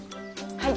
はい！